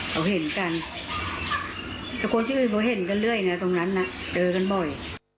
เขาเห็นกันแต่คนอื่นเขาเห็นกันเรื่อยนะตรงนั้นน่ะเจอกันบ่อย